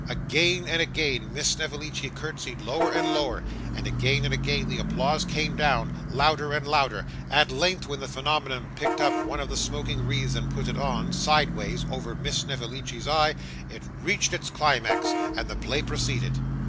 Again and again Miss Snevellicci curtseyed lower and lower, and again and again the applause came down, louder and louder. At length, when the phenomenon picked up one of the smoking wreaths and put it on, sideways, over Miss Snevellicci's eye, it reached its climax, and the play proceeded.